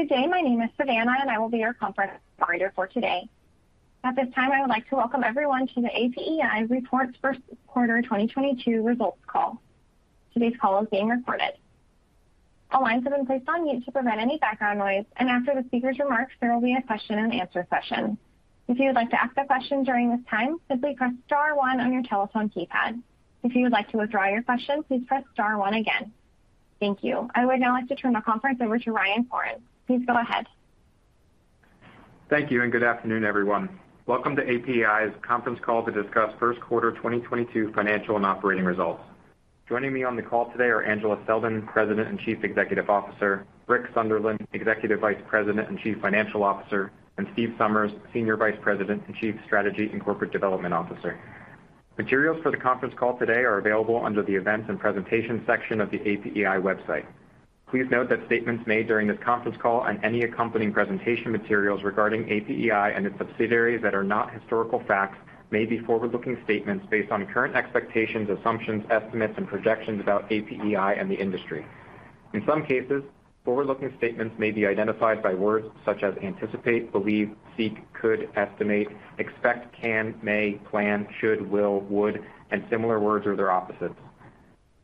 Good day. My name is Savannah, and I will be your conference operator for today. At this time, I would like to welcome everyone to the APEI Reports First 2022 Results Call. Today's call is being recorded. All lines have been placed on mute to prevent any background noise, and after the speaker's remarks, there will be a question-and-answer session. If you would like to ask a question during this time, simply press star one on your telephone keypad. If you would like to withdraw your question, please press star one again. Thank you. I would now like to turn the conference over to Ryan Koren. Please go ahead. Thank you and good afternoon, everyone. Welcome to APEI's conference call to discs Q1 2022 financial and operating results. Joining me on the call today are Angela Selden, President and Chief Executive Officer, Rick Sunderland, Executive Vice President and Chief Financial Officer, and Steve Somers, Senior Vice President and Chief Strategy and Corporate Development Officer. Materials for the conference call today are available under the Events and Presentation section of the APEI website. Please note that statements made during this conference call and any accompanying presentation materials regarding APEI and its subsidiaries that are not historical facts may be forward-looking statements based on current expectations, assumptions, estimates, and projections about APEI and the industry. In some cases, forward-looking statements may be identified by words such as anticipate, believe, seek, could, estimate, expect, can, may, plan, should, will, would, and similar words or their opposites.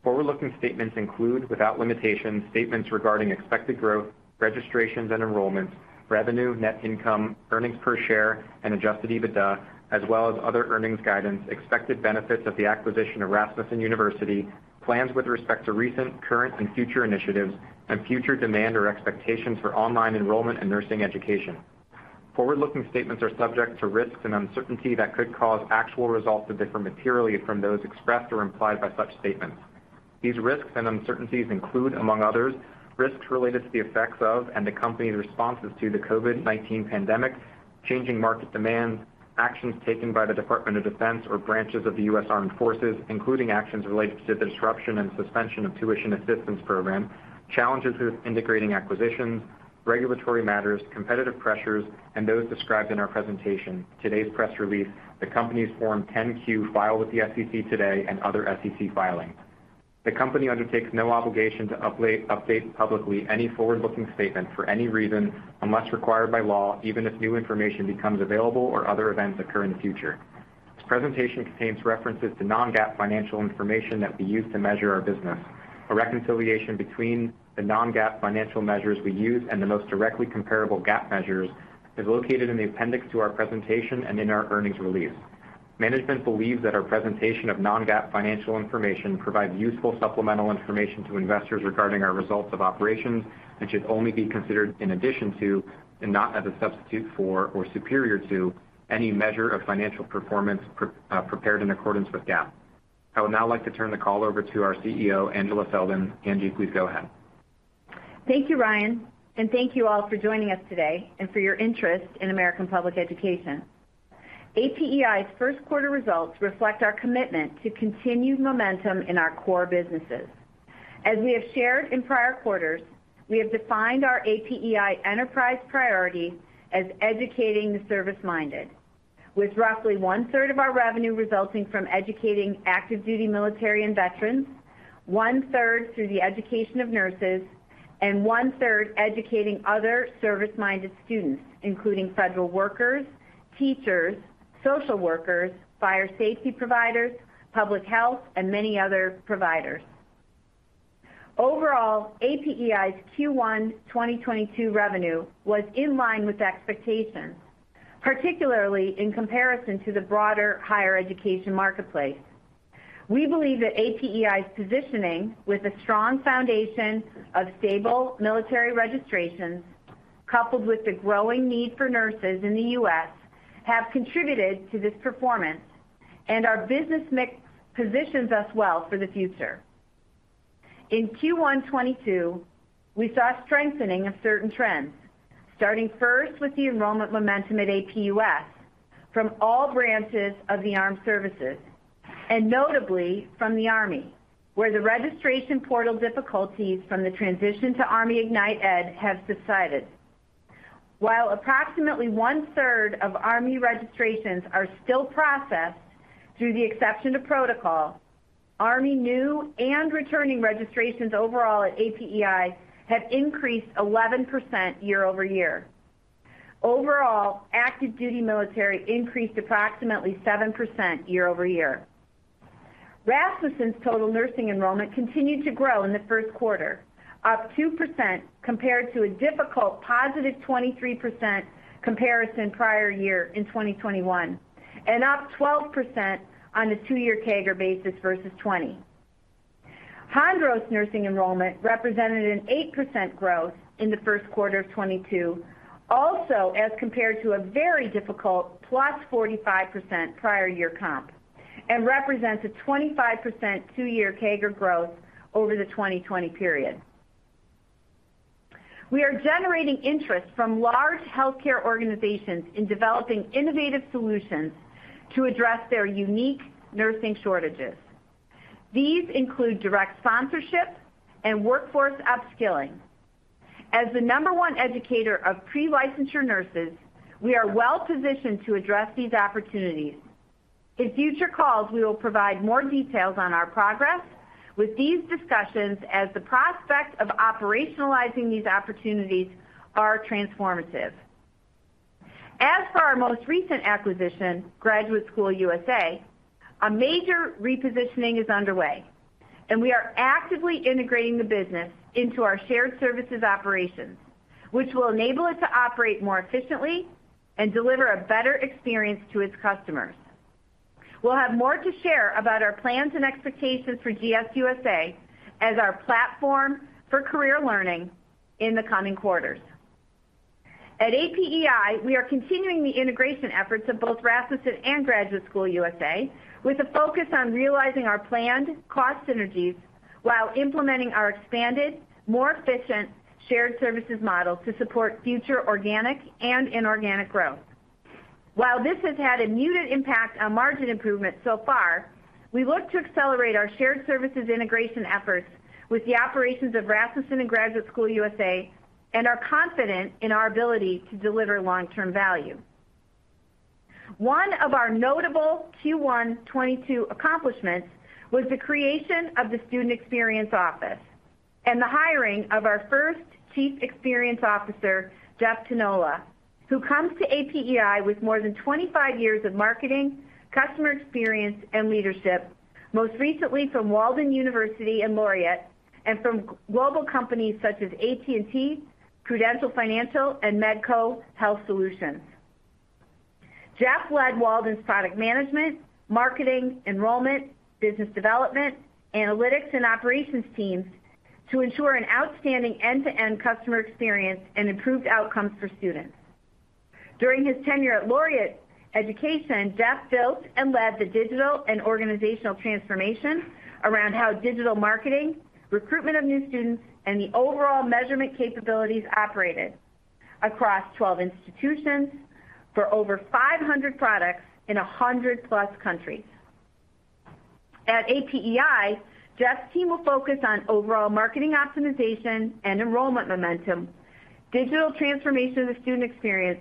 Forward-looking statements include, without limitation, statements regarding expected growth, registrations and enrollments, revenue, net income, earnings per share, and adjusted EBITDA, as well as other earnings guidance, expected benefits of the acquisition of Rasmussen University, plans with respect to recent, current, and future initiatives, and future demand or expectations for online enrollment and nursing education. Forward-looking statements are subject to risks and uncertainty that could cause actual results to differ materially from those expressed or implied by such statements. These risks and uncertainties include, among others, risks related to the effects of and the company's responses to the COVID-19 pandemic, changing market demand, actions taken by the Department of Defense or branches of the U.S. Armed Forces, including actions related to the disruption and suspension of Tuition Assistance Program, challenges with integrating acquisitions, regulatory matters, competitive pressures, and those described in our presentation, today's press release, the company's Form 10-Q filed with the SEC today, and other SEC filings. The company undertakes no obligation to update publicly any forward-looking statements for any reason unless required by law, even if new information becomes available or other events occur in the future. This presentation contains references to non-GAAP financial information that we use to measure our business. A reconciliation between the non-GAAP financial measures we use and the most directly comparable GAAP measures is located in the appendix to our presentation and in our earnings release. Management believes that our presentation of non-GAAP financial information provides useful supplemental information to investors regarding our results of operations and should only be considered in addition to and not as a substitute for or superior to any measure of financial performance prepared in accordance with GAAP. I would now like to turn the call over to our CEO, Angela Selden. Angela, please go ahead. Thank you, Ryan. Thank you all for joining us today and for your interest in American Public Education. APEI's Q1 results reflect our commitment to continued momentum in our core businesses. As we have shared in prior quarters, we have defined our APEI enterprise priority as educating the service-minded, with roughly 1/3 of our revenue resulting from educating active duty military and veterans, 1/3 through the education of nurses, and 1/3 educating other service-minded students, including federal workers, teachers, social workers, fire safety providers, public health, and many other providers. Overall, APEI's Q1 2022 revenue was in line with expectations, particularly in comparison to the broader higher education marketplace. We believe that APEI's positioning with a strong foundation of stable military registrations coupled with the growing need for nurses in the U.S. have contributed to this performance, and our business mix positions us well for the future. In Q1 2022, we saw a strengthening of certain trends, starting first with the enrollment momentum at APUS from all branches of the armed services, and notably from the Army, where the registration portal difficulties from the transition to ArmyIgnitED have subsided. While approximately one-third of Army registrations are still processed through the Exception to Policy, Army new and returning registrations overall at APEI have increased 11% year-over-year. Overall, active-duty military increased approximately 7% year-over-year. Rasmussen's total nursing enrollment continued to grow in the Q1, up 2% compared to a difficult positive 23% comparison prior year in 2021, and up 12% on a two-year CAGR basis versus 2020. Hondros nursing enrollment represented an 8% growth in the Q1 of 2022, also as compared to a very difficult +45% prior year comp and represents a 25% two-year CAGR growth over the 2020 period. We are generating interest from large healthcare organizations in developing innovative solutions to address their unique nursing shortages. These include direct sponsorship and workforce upskilling. As the number one educator of pre-licensure nurses, we are well-positioned to address these opportunities. In future calls, we will provide more details on our progress with these discussions as the prospect of operationalizing these opportunities are transformative. As for our most recent acquisition, Graduate School USA, a major repositioning is underway, and we are actively integrating the business into our shared services operations, which will enable it to operate more efficiently and deliver a better experience to its customers. We'll have more to share about our plans and expectations for GSUSA as our platform for career learning in the coming quarters. At APEI, we are continuing the integration efforts of both Rasmussen and Graduate School USA with a focus on realizing our planned cost synergies while implementing our expanded, more efficient shared services model to support future organic and inorganic growth. While this has had a muted impact on margin improvement so far, we look to accelerate our shared services integration efforts with the operations of Rasmussen and Graduate School USA and are confident in our ability to deliver long-term value. One of our notable Q1 2022 accomplishments was the creation of the Student Experience Office and the hiring of our first Chief Experience Officer, Jeff Tognola, who comes to APEI with more than 25 years of marketing, customer experience, and leadership, most recently from Walden University and Laureate and from global companies such as AT&T, Prudential Financial, and Medco Health Solutions. Jeff led Walden's product management, marketing, enrollment, business development, analytics, and operations teams to ensure an outstanding end-to-end customer experience and improved outcomes for students. During his tenure at Laureate Education, Jeff built and led the digital and organizational transformation around how digital marketing, recruitment of new students, and the overall measurement capabilities operated across 12 institutions for over 500 products in 100+ countries. At APEI, Jeff's team will focus on overall marketing optimization and enrollment momentum, digital transformation of the student experience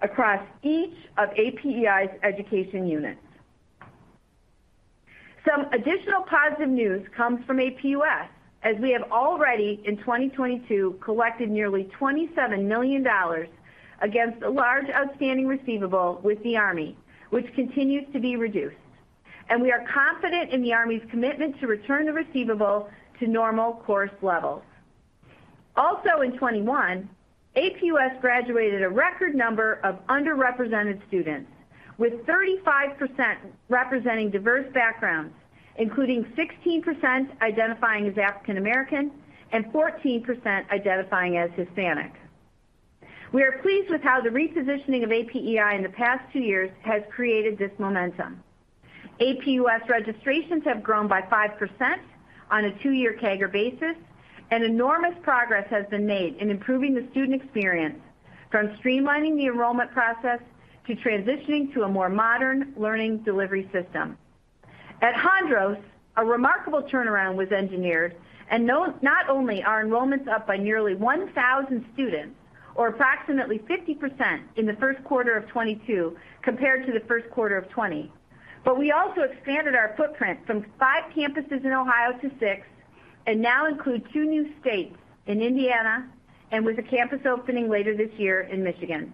across each of APEI's education units. Some additional positive news comes from APUS, as we have already in 2022 collected nearly $27 million against a large outstanding receivable with the Army, which continues to be reduced. We are confident in the Army's commitment to return the receivable to normal course levels. Also in 2021, APUS graduated a record number of underrepresented students, with 35% representing diverse backgrounds, including 16% identifying as African American and 14% identifying as Hispanic. We are pleased with how the repositioning of APEI in the past two years has created this momentum. APUS registrations have grown by 5% on a two-year CAGR basis, and enormous progress has been made in improving the student experience, from streamlining the enrollment process to transitioning to a more modern learning delivery system. At Hondros, a remarkable turnaround was engineered, not only are enrollments up by nearly 1,000 students or approximately 50% in the Q1 of 2022 compared to the Q1 of 2020, but we also expanded our footprint from 5 campuses in Ohio to 6 and now include 2 new states in Indiana and with a campus opening later this year in Michigan.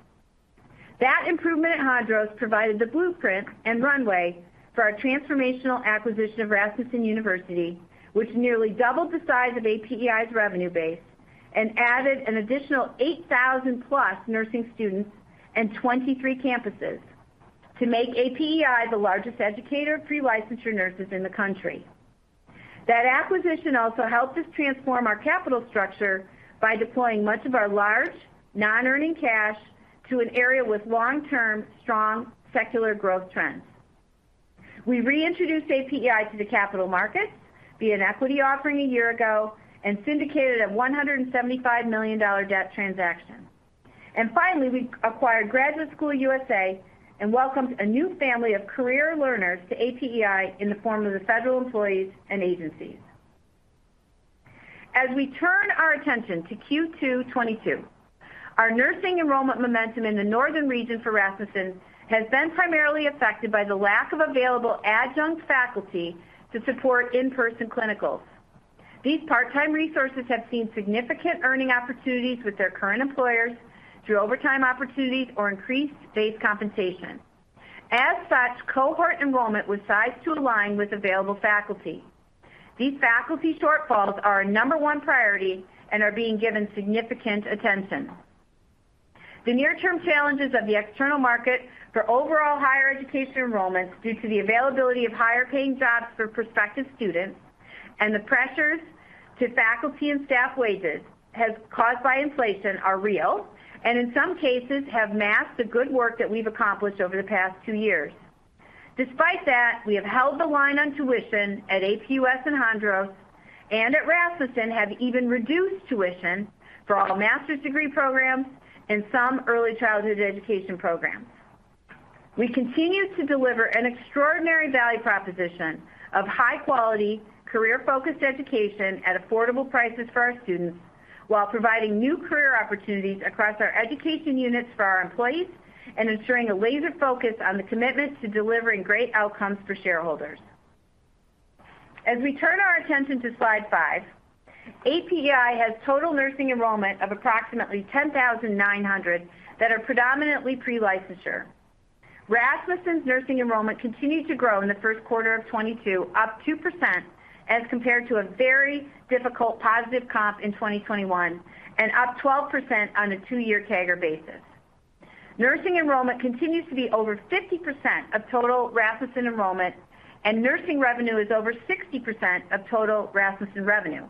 That improvement at Hondros provided the blueprint and runway for our transformational acquisition of Rasmussen University, which nearly doubled the size of APEI's revenue base and added an additional 8,000-plus nursing students and 23 campuses to make APEI the largest educator of pre-licensure nurses in the country. That acquisition also helped us transform our capital structure by deploying much of our large non-earning cash to an area with long-term, strong secular growth trends. We reintroduced APEI to the capital markets via an equity offering a year ago and syndicated a $175 million debt transaction. Finally, we acquired Graduate School USA and welcomed a new family of career learners to APEI in the form of the federal employees and agencies. As we turn our attention to Q2 2022, our nursing enrollment momentum in the northern region for Rasmussen has been primarily affected by the lack of available adjunct faculty to support in-person clinicals. These part-time resources have seen significant earning opportunities with their current employers through overtime opportunities or increased base compensation. As such, cohort enrollment was sized to align with available faculty. These faculty shortfalls are our number one priority and are being given significant attention. The near-term challenges of the external market for overall higher education enrollments due to the availability of higher-paying jobs for prospective students and the pressures to faculty and staff wages has caused by inflation are real and in some cases have masked the good work that we've accomplished over the past two years. Despite that, we have held the line on tuition at APUS and Hondros and at Rasmussen, have even reduced tuition for all master's degree programs and some early childhood education programs. We continue to deliver an extraordinary value proposition of high-quality, career-focused education at affordable prices for our students, while providing new career opportunities across our education units for our employees and ensuring a laser focus on the commitment to delivering great outcomes for shareholders. As we turn our attention to slide 5, APU has total nursing enrollment of approximately 10,900 that are predominantly pre-licensure. Rasmussen's nursing enrollment continued to grow in the Q1 of 2022, up 2% as compared to a very difficult positive comp in 2021, and up 12% on a two-year CAGR basis. Nursing enrollment continues to be over 50% of total Rasmussen enrollment, and nursing revenue is over 60% of total Rasmussen revenue.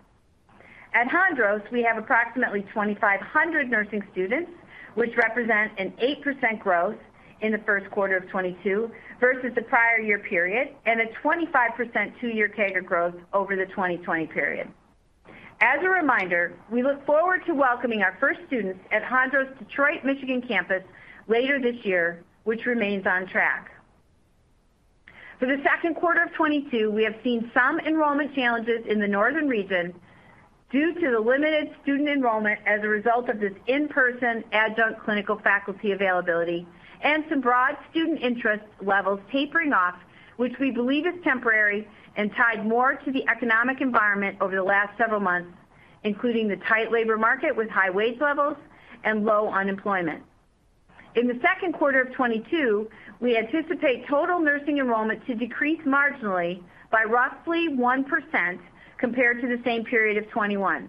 At Hondros, we have approximately 2,500 nursing students, which represent an 8% growth in the Q1of 2022 versus the prior year period, and a 22% two-year CAGR growth over the 2020 period. As a reminder, we look forward to welcoming our first students at Hondros Detroit, Michigan campus later this year, which remains on track. For the Q2 of 2022, we have seen some enrollment challenges in the northern region due to the limited student enrollment as a result of this in-person adjunct clinical faculty availability and some broad student interest levels tapering off, which we believe is temporary and tied more to the economic environment over the last several months, including the tight labor market with high wage levels and low unemployment. In the Q2 of 2022, we anticipate total nursing enrollment to decrease marginally by roughly 1% compared to the same period of 2021.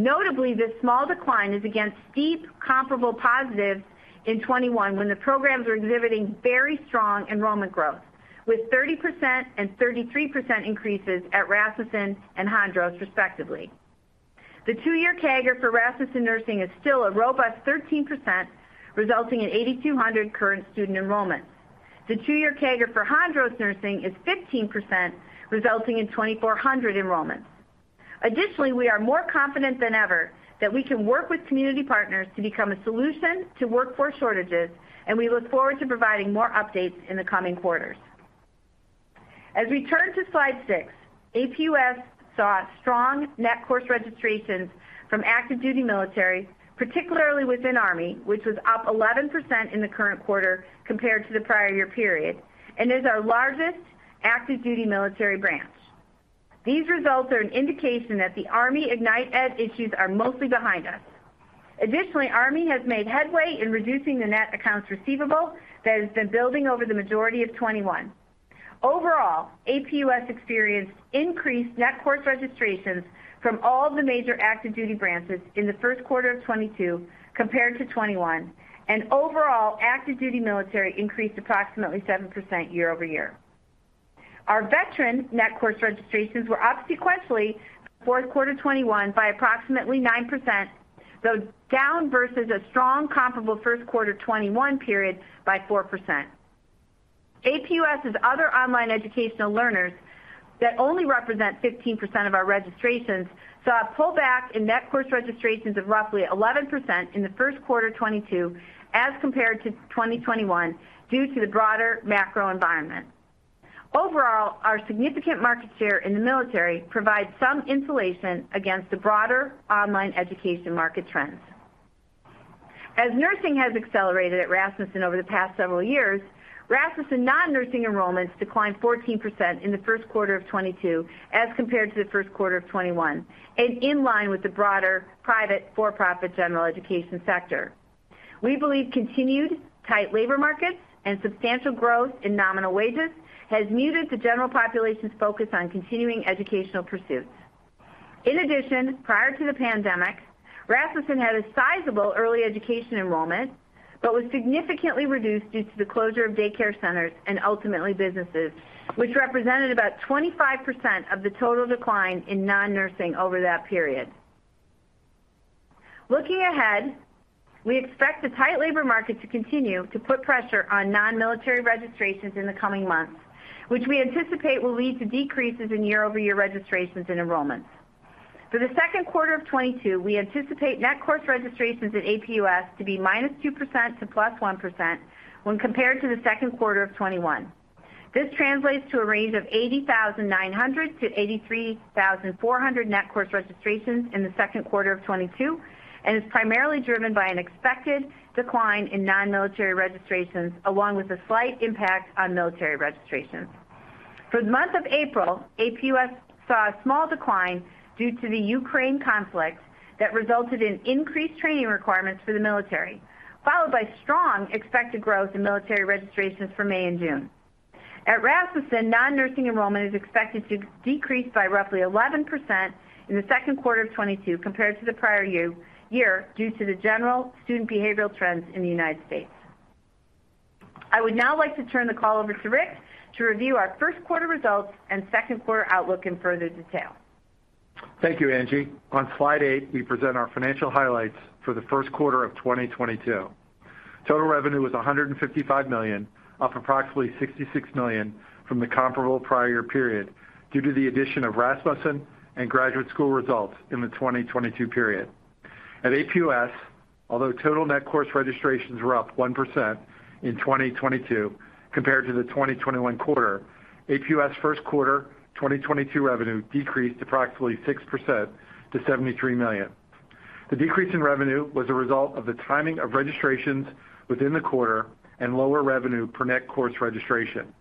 Notably, this small decline is against steep comparable positives in 2021 when the programs are exhibiting very strong enrollment growth with 30% and 33% increases at Rasmussen and Hondros, respectively. The two-year CAGR for Rasmussen Nursing is still a robust 13%, resulting in 8,200 current student enrollments. The two-year CAGR for Hondros Nursing is 15%, resulting in 2,400 enrollments. Additionally, we are more confident than ever that we can work with community partners to become a solution to workforce shortages, and we look forward to providing more updates in the coming quarters. As we turn to slide six, APUS saw strong net course registrations from active duty military, particularly within Army, which was up 11% in the current quarter compared to the prior year period and is our largest active duty military branch. These results are an indication that the ArmyIgnitED issues are mostly behind us. Additionally, Army has made headway in reducing the net accounts receivable that has been building over the majority of 2021. Overall, APUS experienced increased net course registrations from all the major active duty branches in the Q1 of 2022 compared to 2021, and overall, active duty military increased approximately 7% year-over-year. Our veteran net course registrations were up sequentially Q4 2021 by approximately 9%, though down versus a strong comparable Q1 2021 period by 4%. APUS' other online educational learners that only represent 15% of our registrations saw a pullback in net course registrations of roughly 11% in the Q1 2022 as compared to 2021 due to the broader macro environment. Overall, our significant market share in the military provides some insulation against the broader online education market trends. As nursing has accelerated at Rasmussen over the past several years, Rasmussen non-nursing enrollments declined 14% in the Q1 of 2022 as compared to the Q1 of 2021 and in line with the broader private for-profit general education sector. We believe continued tight labor markets and substantial growth in nominal wages has muted the general population's focus on continuing educational pursuits. In addition, prior to the pandemic, Rasmussen had a sizable early education enrollment but was significantly reduced due to the closure of daycare centers and ultimately businesses, which represented about 25% of the total decline in non-nursing over that period. Looking ahead, we expect the tight labor market to continue to put pressure on non-military registrations in the coming months, which we anticipate will lead to decreases in year-over-year registrations and enrollments. For the Q2 of 2022, we anticipate net course registrations at APUS to be -2% to +1% when compared to the Q2 of 2021. This translates to a range of 80,900-83,400 net course registrations in the Q2 of 2022 and is primarily driven by an expected decline in non-military registrations along with a slight impact on military registrations. For the month of April, APUS saw a small decline due to the Ukraine conflict that resulted in increased training requirements for the military, followed by strong expected growth in military registrations for May and June. At Rasmussen, non-nursing enrollment is expected to decrease by roughly 11% in the Q2 of 2022 compared to the prior year due to the general student behavioral trends in the United States. I would now like to turn the call over to Rick to review our Q1 results and Q2 outlook in further detail. Thank you, Angie. On slide eight, we present our financial highlights for the Q1 of 2022. Total revenue was $155 million, up approximately $66 million from the comparable prior period due to the addition of Rasmussen and Graduate School USA results in the 2022 period. At APUS, although total net course registrations were up 1% in 2022 compared to the 2021 quarter, APUS Q1 2022 revenue decreased approximately 6% to $73 million. The decrease in revenue was a result of the timing of registrations within the quarter and lower revenue per net course registration.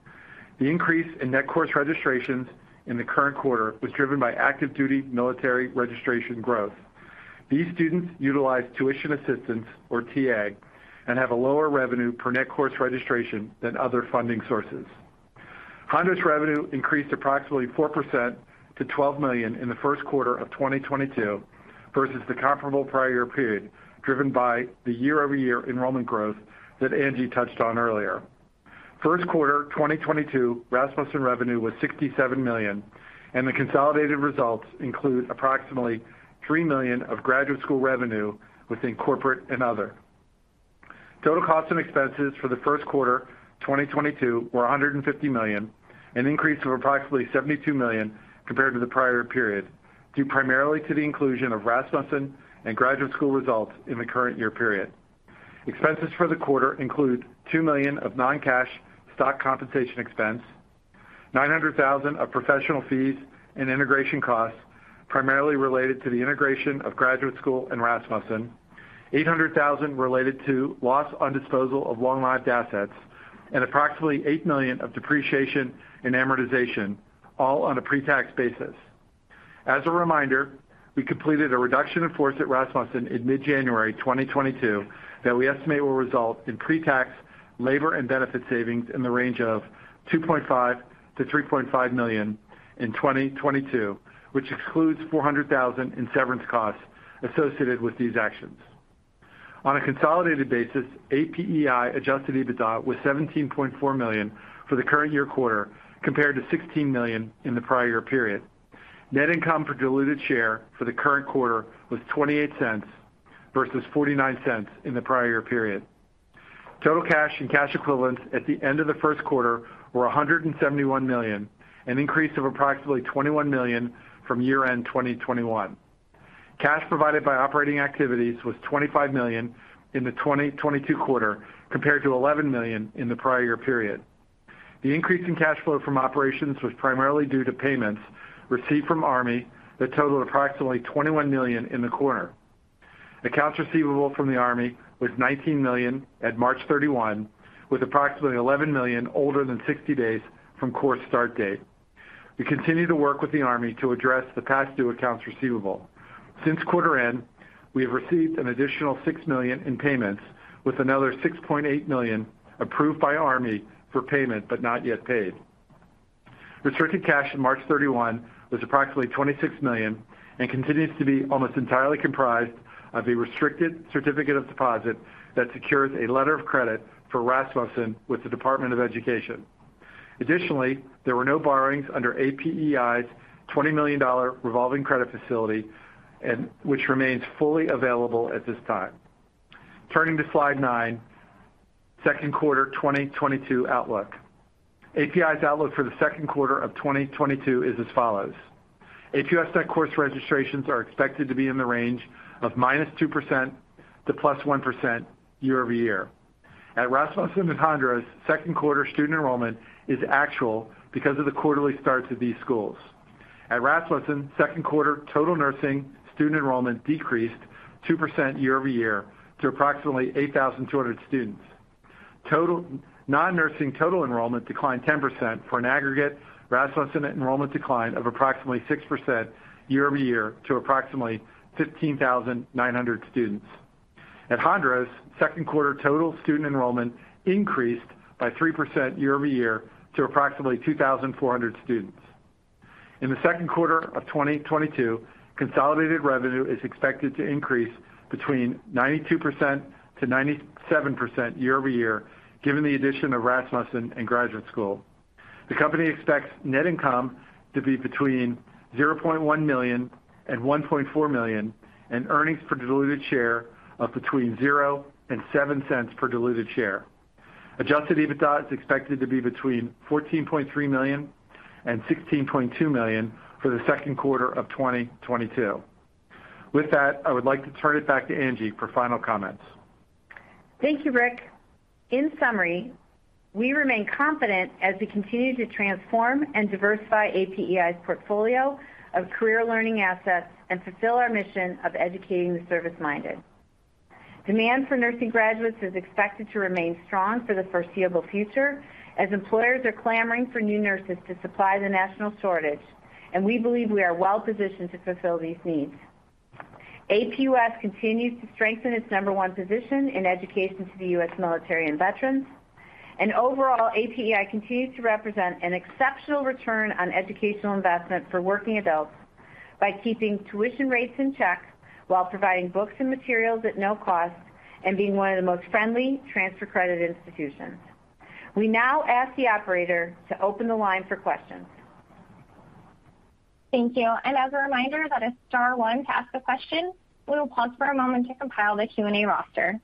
The increase in net course registrations in the current quarter was driven by active-duty military registration growth. These students utilize Tuition Assistance, or TA, and have a lower revenue per net course registration than other funding sources. Hondros revenue increased approximately 4% to $12 million in the Q1 of 2022 versus the comparable prior period, driven by the year-over-year enrollment growth that Angie touched on earlier. Q1 2022 Rasmussen revenue was $67 million, and the consolidated results include approximately $3 million of Graduate School revenue within corporate and other. Total costs and expenses for the Q1 2022 were $150 million, an increase of approximately $72 million compared to the prior period, due primarily to the inclusion of Rasmussen and Graduate School results in the current year period. Expenses for the quarter include $2 million of non-cash stock compensation expense, $900 thousand of professional fees and integration costs, primarily related to the integration of Graduate School and Rasmussen, $800 thousand related to loss on disposal of long-lived assets, and approximately $8 million of depreciation and amortization, all on a pre-tax basis. As a reminder, we completed a reduction in force at Rasmussen in mid-January 2022 that we estimate will result in pre-tax labor and benefit savings in the range of $2.5 million-$3.5 million in 2022, which excludes $400 thousand in severance costs associated with these actions. On a consolidated basis, APEI adjusted EBITDA was $17.4 million for the current year quarter compared to $16 million in the prior year period. Net income per diluted share for the current quarter was $0.28 versus $0.49 in the prior year period. Total cash and cash equivalents at the end of the Q1 were $171 million, an increase of approximately $21 million from year-end 2021. Cash provided by operating activities was $25 million in the 2022 quarter compared to $11 million in the prior year period. The increase in cash flow from operations was primarily due to payments received from Army that totaled approximately $21 million in the quarter. Accounts receivable from the Army was $19 million at March 31, with approximately $11 million older than 60 days from course start date. We continue to work with the Army to address the past due accounts receivable. Since quarter end, we have received an additional $6 million in payments, with another $6.8 million approved by Army for payment but not yet paid. Restricted cash as of March 31 was approximately $26 million and continues to be almost entirely comprised of a restricted certificate of deposit that secures a letter of credit for Rasmussen with the Department of Education. Additionally, there were no borrowings under APEI's $20 million revolving credit facility, which remains fully available at this time. Turning to slide 9, Q2 2022 outlook. APEI's outlook for the Q2 of 2022 is as follows. APUS net course registrations are expected to be in the range of -2% to +1% year-over-year. At Rasmussen and Hondros, Q2 student enrollment is actual because of the quarterly starts of these schools. At Rasmussen, Q2 total nursing student enrollment decreased 2% year-over-year to approximately 8,200 students. Non-nursing total enrollment declined 10% for an aggregate Rasmussen enrollment decline of approximately 6% year-over-year to approximately 15,900 students. At Hondros, Q2 total student enrollment increased by 3% year-over-year to approximately 2,400 students. In the Q2 of 2022, consolidated revenue is expected to increase 92%-97% year-over-year, given the addition of Rasmussen and Graduate School. The company expects net income to be between $0.1 million and $1.4 million, and earnings per diluted share of between $0.00 and $0.07 per diluted share. Adjusted EBITDA is expected to be between $14.3 million and $16.2 million for the Q2 of 2022. With that, I would like to turn it back to Angie for final comments. Thank you, Rick. In summary, we remain confident as we continue to transform and diversify APEI's portfolio of career learning assets and fulfill our mission of educating the service-minded. Demand for nursing graduates is expected to remain strong for the foreseeable future as employers are clamoring for new nurses to supply the national shortage, and we believe we are well-positioned to fulfill these needs. APUS continues to strengthen its number one position in education to the U.S. military and veterans. Overall, APEI continues to represent an exceptional return on educational investment for working adults by keeping tuition rates in check while providing books and materials at no cost and being one of the most friendly transfer credit institutions. We now ask the operator to open the line for questions. Thank you. As a reminder that is star one to ask a question. We will pause for a moment to compile the Q&A roster.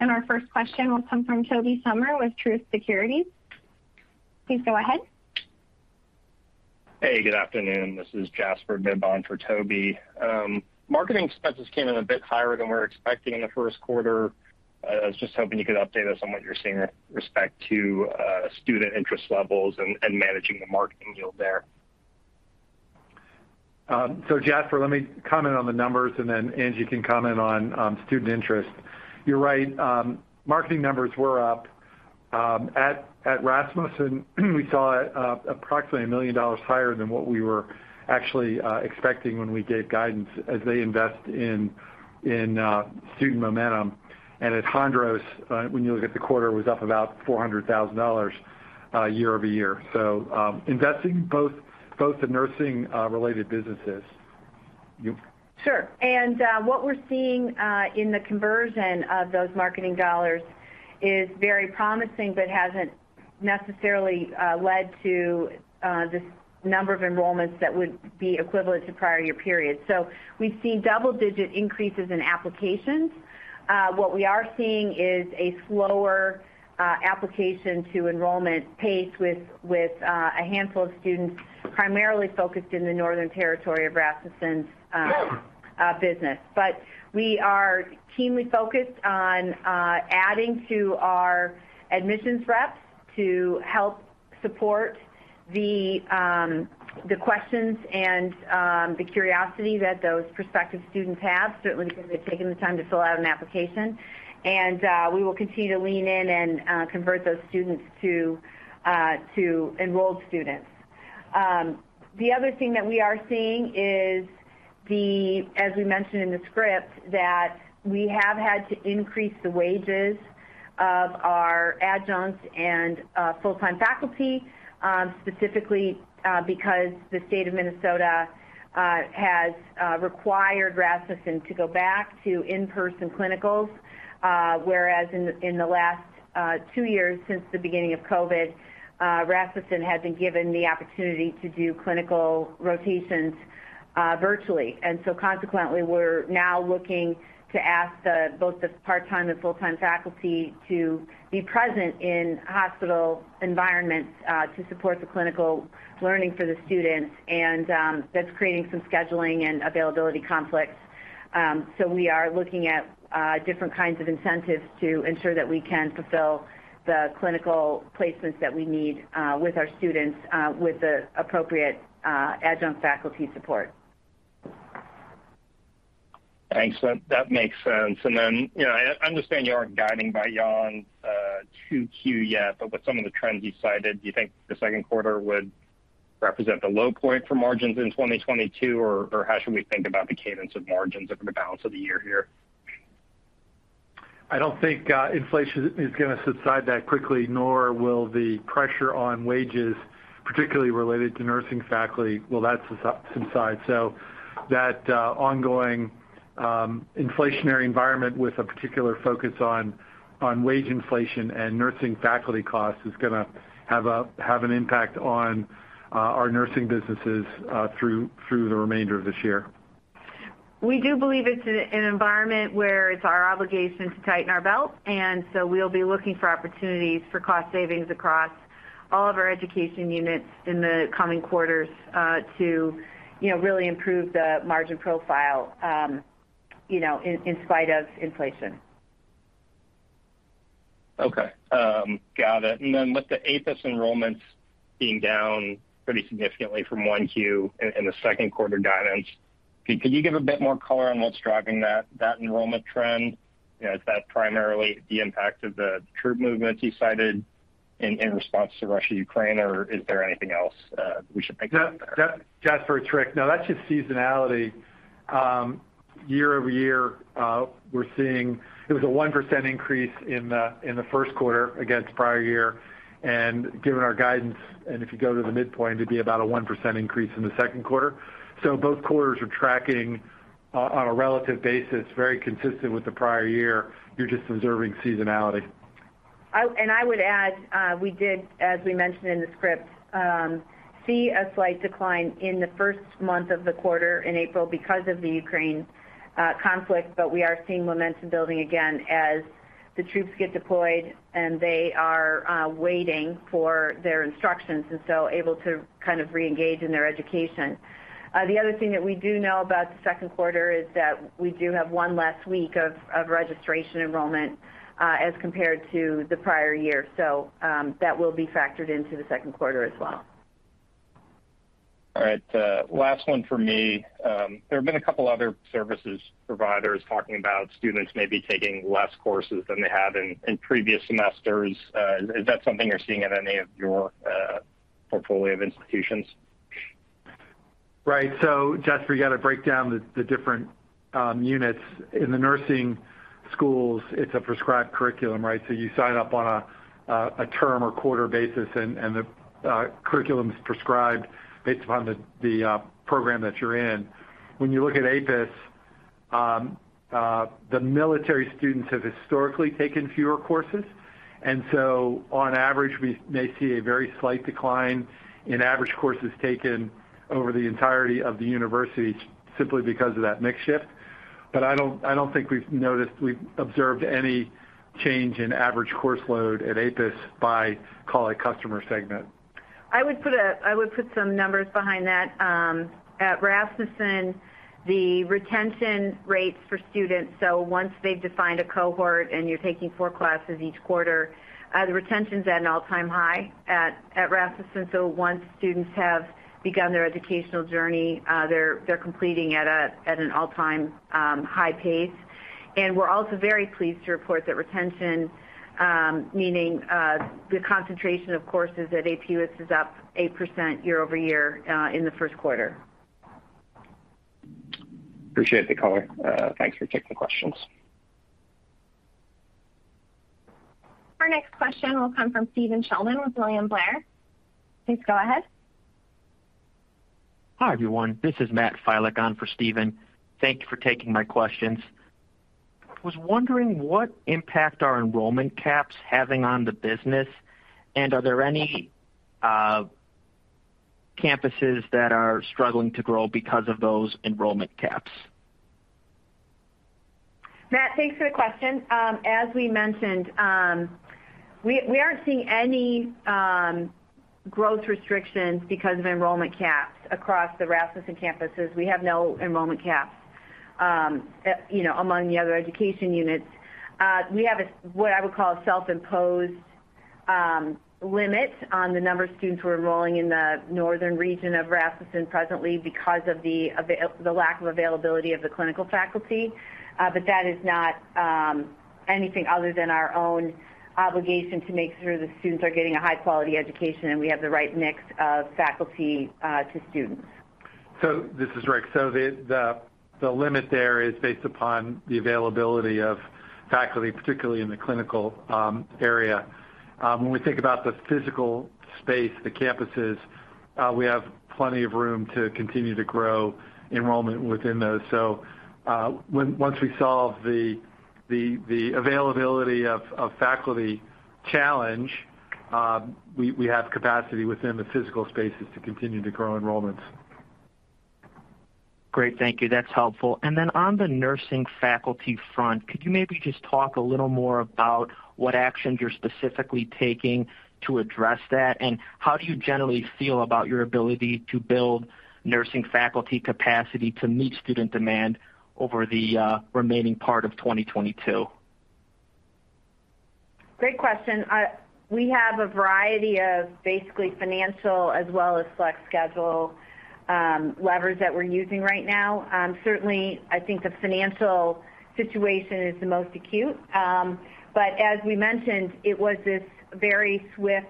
Our first question will come from Tobey Sommer with Truist Securities. Please go ahead. Hey, good afternoon. This is Jasper Bibb for Tobey. Marketing expenses came in a bit higher than we were expecting in the Q1. I was just hoping you could update us on what you're seeing with respect to student interest levels and managing the marketing yield there. Jasper, let me comment on the numbers, and then Angie can comment on student interest. You're right. Marketing numbers were up at Rasmussen, we saw approximately $1 million higher than what we were actually expecting when we gave guidance as they invest in student momentum. At Hondros, when you look at the quarter, was up about $400,000 year-over-year. Investing both the nursing related businesses. Sure. What we're seeing in the conversion of those marketing dollars is very promising, but hasn't necessarily led to the number of enrollments that would be equivalent to prior year periods. We've seen double-digit increases in applications. What we are seeing is a slower application to enrollment pace with a handful of students primarily focused in the northern territory of Rasmussen's business. We are keenly focused on adding to our admissions reps to help support the questions and the curiosity that those prospective students have, certainly because they've taken the time to fill out an application. We will continue to lean in and convert those students to enrolled students. The other thing that we are seeing is the, as we mentioned in the script, that we have had to increase the wages of our adjuncts and full-time faculty, specifically, because the state of Minnesota has required Rasmussen to go back to in-person clinicals, whereas in the last two years since the beginning of COVID, Rasmussen had been given the opportunity to do clinical rotations virtually. That's creating some scheduling and availability conflicts. We are looking at different kinds of incentives to ensure that we can fulfill the clinical placements that we need with our students with the appropriate adjunct faculty support. Thanks. That makes sense. You know, I understand you aren't guiding by Q1, 2Q yet, but with some of the trends you cited, do you think the Q2 would represent the low point for margins in 2022? Or how should we think about the cadence of margins over the balance of the year here? I don't think inflation is gonna subside that quickly, nor will the pressure on wages, particularly related to nursing faculty, subside. That ongoing inflationary environment with a particular focus on wage inflation and nursing faculty costs is gonna have an impact on our nursing businesses through the remainder of this year. We do believe it's an environment where it's our obligation to tighten our belt, and so we'll be looking for opportunities for cost savings across all of our education units in the coming quarters, to really improve the margin profile, in spite of inflation. Okay. Got it. With the APUS enrollments being down pretty significantly from Q1 in the Q2 guidance, could you give a bit more color on what's driving that enrollment trend? You know, is that primarily the impact of the troop movements you cited in response to Russia-Ukraine, or is there anything else we should think about there? Jasper, it's Rick. No, that's just seasonality. Year-over-year, we're seeing it was a 1% increase in the Q1 against prior year. Given our guidance, and if you go to the midpoint, it'd be about a 1% increase in the Q2. Both quarters are tracking on a relative basis, very consistent with the prior year. You're just observing seasonality. I would add, we did, as we mentioned in the script, see a slight decline in the first month of the quarter in April because of the Ukraine conflict. We are seeing momentum building again as the troops get deployed, and they are waiting for their instructions and so able to kind of reengage in their education. The other thing that we do know about the Q2 is that we do have one less week of registration enrollment, as compared to the prior year. That will be factored into the Q2 as well. All right, last one for me. There have been a couple other service providers talking about students maybe taking less courses than they have in previous semesters. Is that something you're seeing at any of your portfolio of institutions? Right. Jasper, you got to break down the different units. In the nursing schools, it's a prescribed curriculum, right? You sign up on a term or quarter basis, and the curriculum is prescribed based upon the program that you're in. When you look at APUS, the military students have historically taken fewer courses. On average, we may see a very slight decline in average courses taken over the entirety of the university simply because of that mix shift. I don't think we've observed any change in average course load at APUS by core customer segment. I would put some numbers behind that. At Rasmussen, the retention rates for students, so once they've defined a cohort and you're taking four classes each quarter, the retention is at an all-time high at Rasmussen. Once students have begun their educational journey, they're completing at an all-time high pace. We're also very pleased to report that retention, meaning the concentration of courses at APUS is up 8% year-over-year in the Q1. Appreciate the color. Thanks for taking the questions. Our next question will come from Stephen Sheldon with William Blair. Please go ahead. Hi, everyone. This is Matt Filek on for Stephen Sheldon. Thank you for taking my questions. I was wondering what impact are enrollment caps having on the business, and are there any campuses that are struggling to grow because of those enrollment caps? Matt, thanks for the question. As we mentioned, we aren't seeing any growth restrictions because of enrollment caps across the Rasmussen campuses. We have no enrollment caps, among the other education units. We have a, what I would call a self-imposed limit on the number of students who are enrolling in the northern region of Rasmussen presently because of the lack of availability of the clinical faculty. That is not anything other than our own obligation to make sure the students are getting a high-quality education and we have the right mix of faculty to students. This is Rick. The limit there is based upon the availability of faculty, particularly in the clinical area. When we think about the physical space, the campuses, we have plenty of room to continue to grow enrollment within those. Once we solve the availability of faculty challenge, we have capacity within the physical spaces to continue to grow enrollments. Great. Thank you. That's helpful. On the nursing faculty front, could you maybe just talk a little more about what actions you're specifically taking to address that, and how do you generally feel about your ability to build nursing faculty capacity to meet student demand over the remaining part of 2022? Great question. We have a variety of basically financial as well as flex schedule levers that we're using right now. Certainly, I think the financial situation is the most acute. But as we mentioned, it was this very swift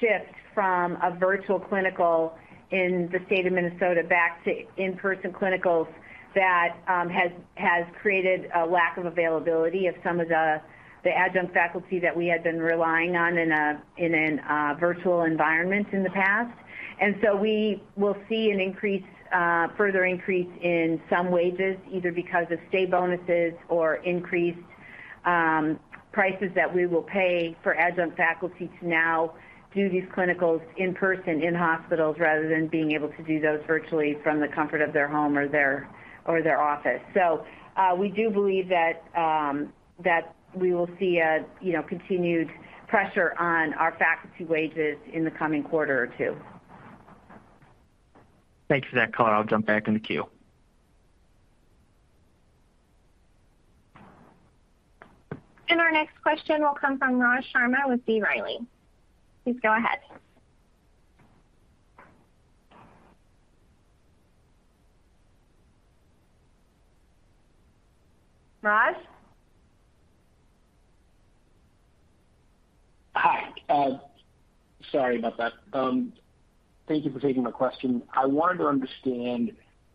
shift from a virtual clinical in the state of Minnesota back to in-person clinicals that has created a lack of availability of some of the adjunct faculty that we had been relying on in a virtual environment in the past. We will see an increase, further increase in some wages, either because of state bonuses or increased prices that we will pay for adjunct faculty to now do these clinicals in person in hospitals rather than being able to do those virtually from the comfort of their home or their office. We do believe that we will see a, continued pressure on our faculty wages in the coming quarter or two. Thank you for that, Angie. I'll jump back in the queue. Our next question will come from Raj Sharma with B. Riley. Please go ahead. Raj? Hi. Sorry about that. Thank you for taking my question. I wanted to understand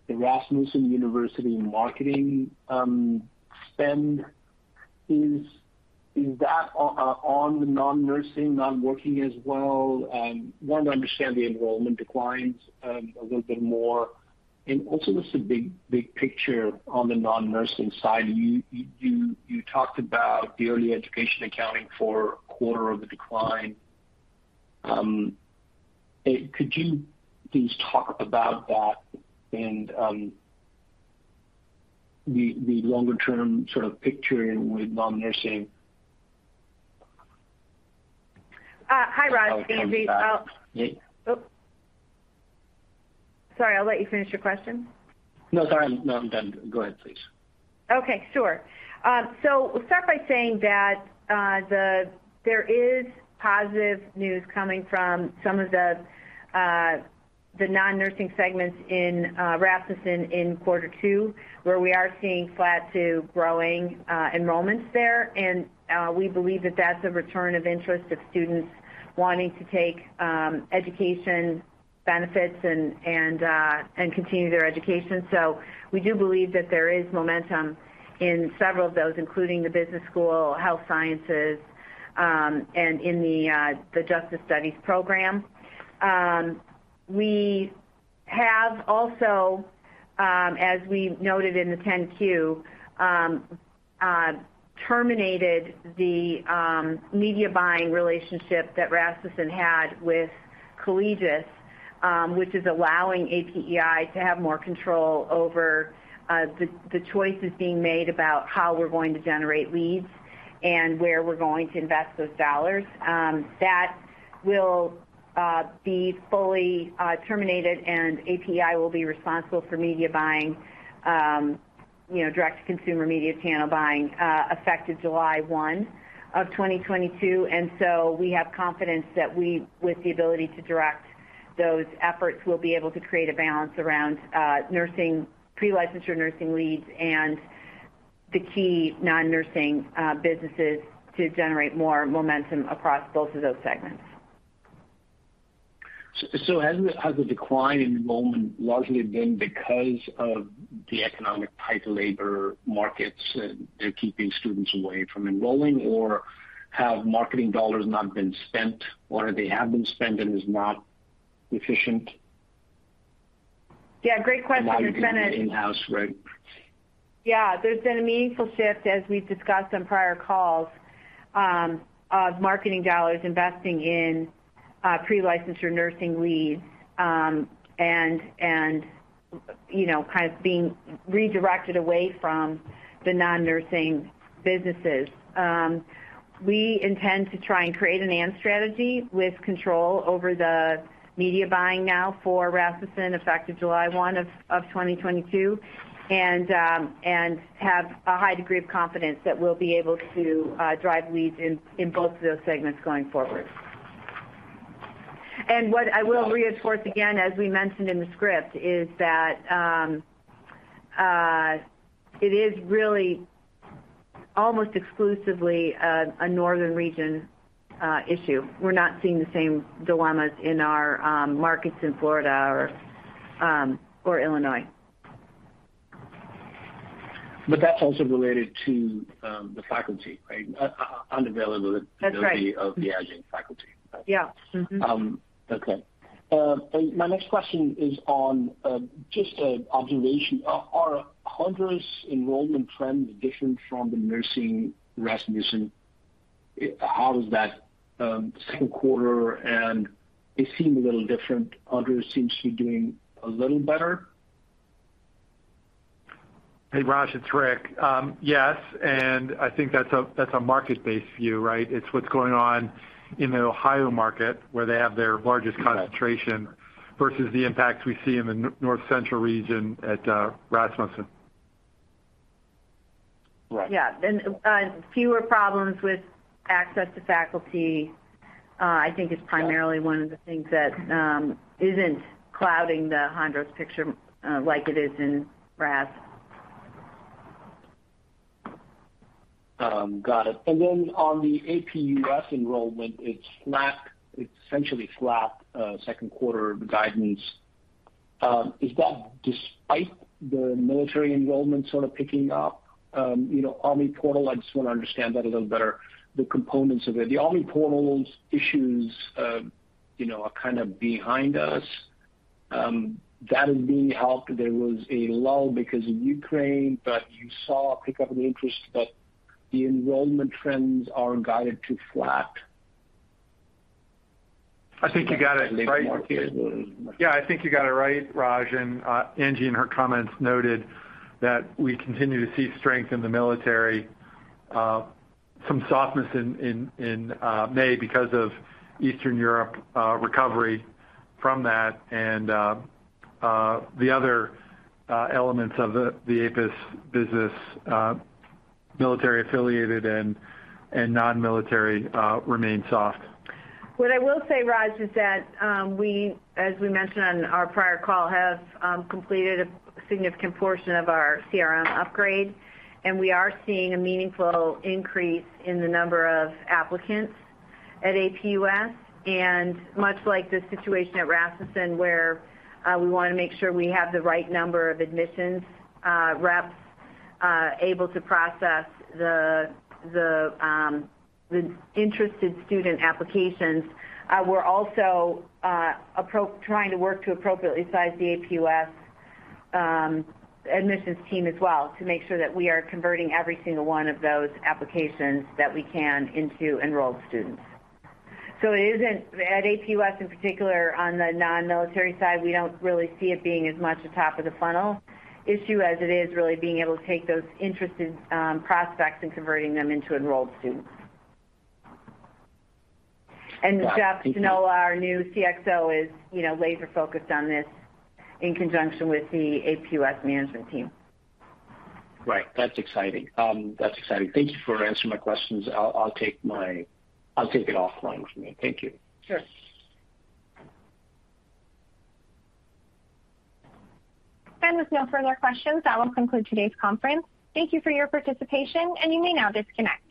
the Rasmussen University marketing spend. Is that on non-nursing not working as well? Wanted to understand the enrollment declines a little bit more. Also, just the big picture on the non-nursing side. You talked about the early education accounting for a quarter of the decline. Could you please talk about that and the longer-term sort of picture with non-nursing? Hi, Raj. This is Angie. Yeah. Oh. Sorry, I'll let you finish your question. No, sorry. No, I'm done. Go ahead, please. Okay, sure. We'll start by saying that there is positive news coming from some of the non-nursing segments in Rasmussen in quarter two, where we are seeing flat to growing enrollments there. We believe that that's a return of interest of students wanting to take education benefits and continue their education. We do believe that there is momentum in several of those, including the business school, health sciences, and in the justice studies program. We have also, as we noted in the 10-Q, terminated the media buying relationship that Rasmussen had with Collegis, which is allowing APEI to have more control over the choices being made about how we're going to generate leads and where we're going to invest those dollars. That will be fully terminated, and APEI will be responsible for media buying, direct-to-consumer media channel buying, effective July 1, 2022. We have confidence that we, with the ability to direct those efforts, will be able to create a balance around nursing, pre-licensure nursing leads and the key non-nursing businesses to generate more momentum across both of those segments. Has the decline in enrollment largely been because of the economic tight labor markets, they're keeping students away from enrolling? Or have marketing dollars not been spent, or they have been spent and is not efficient? Yeah, great question, Raj Sharma. In-house, right. Yeah. There's been a meaningful shift, as we've discussed on prior calls, of marketing dollars investing in pre-licensure nursing leads, and kind of being redirected away from the non-nursing businesses. We intend to try and create an AM strategy with control over the media buying now for Rasmussen effective July 1, 2022, and have a high degree of confidence that we'll be able to drive leads in both of those segments going forward. What I will reinforce, again, as we mentioned in the script, is that it is really almost exclusively a northern region issue. We're not seeing the same dilemmas in our markets in Florida or Illinois. That's also related to the faculty, right? Availability. That's right. of the adjunct faculty. Yeah. Mm-hmm. Okay. My next question is on just an observation. Are Hondros' enrollment trends different from the nursing Rasmussen? How does that Q2, and it seemed a little different. Hondros seems to be doing a little better. Hey, Raj, it's Rick. Yes, I think that's a market-based view, right? It's what's going on in the Ohio market where they have their largest concentration. Right. versus the impacts we see in the North Central region at Rasmussen. Right. Yeah. Fewer problems with access to faculty, I think is primarily one of the things that isn't clouding the Hondros picture, like it is in Rasmussen. Got it. Then on the APUS enrollment, it's essentially flat Q2 guidance. Is that despite the military enrollment sort of picking up, Army portal? I just wanna understand that a little better, the components of it. The Army portal issues, are kind of behind us. That is being helped. There was a lull because of Ukraine, but you saw a pickup in interest, but the enrollment trends are guided to flat. I think you got it right. Yeah, I think you got it right, Raj. Angie, in her comments, noted that we continue to see strength in the military. Some softness in May because of Eastern Europe, recovery from that. The other elements of the APUS business, military affiliated and non-military, remain soft. What I will say, Raj, is that we, as we mentioned on our prior call, have completed a significant portion of our CRM upgrade, and we are seeing a meaningful increase in the number of applicants at APUS. Much like the situation at Rasmussen, where we wanna make sure we have the right number of admissions reps able to process the interested student applications. We're also trying to work to appropriately size the APUS admissions team as well, to make sure that we are converting every single one of those applications that we can into enrolled students. At APUS in particular, on the non-military side, we don't really see it being as much a top-of-the-funnel issue as it is really being able to take those interested prospects and converting them into enrolled students. Yeah. Jeff Tognola, our new CXO, is, laser focused on this in conjunction with the APUS management team. Right. That's exciting. That's exciting. Thank you for answering my questions. I'll take it offline for me. Thank you. Sure. With no further questions, that will conclude today's conference. Thank you for your participation, and you may now disconnect.